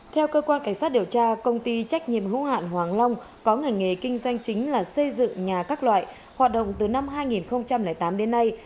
theo cơ quan cảnh sát điều tra công ty trách nhiệm hữu hạn hoàng long có ngành nghề kinh doanh chính là xây dựng nhà các loại hoạt động từ năm hai nghìn tám đến nay